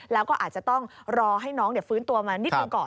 แล้วก็อาจจะต้องรอให้น้องฟื้นตัวมานิดหนึ่งก่อน